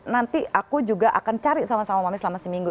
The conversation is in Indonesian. nanti aku juga akan cari sama sama mami selama seminggu